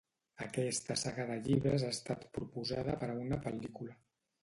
Aquesta saga de llibres ha estat proposada per a una pel·lícula.